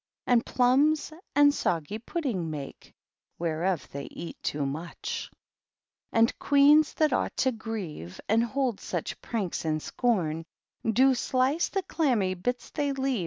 And plumSy — and soggy pudding make, Whereof they eat too much. 22 254 THE GREAT OCCASION. And Qysens that ought to grievCy And hold such pranks in scorn, Do slice the clammy bits they leave.